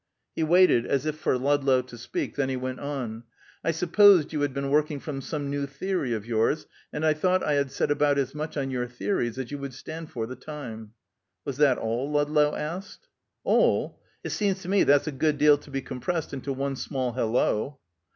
He waited, as if for Ludlow to speak; then he went on: "I supposed you had been working from some new theory of yours, and I thought I had said about as much on your theories as you would stand for the time." "Was that all?" Ludlow asked. "All? It seems to me that's a good deal to be compressed into one small 'hello.'"